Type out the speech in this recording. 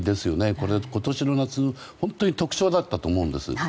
これが今年の夏の本当に特徴だったと思うんです。